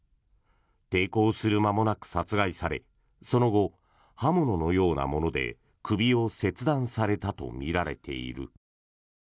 抵抗する間もなく殺害されその後、刃物のようなもので首を切断されたとみられている。